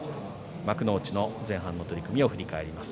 幕内の前半の取組を振り返ります。